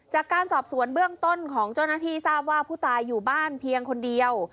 จากการสอบสวนเบื้องต้นของเจ้าหน้าที่ทราบว่าผู้ตายอยู่บ้านเพียงคนเดียว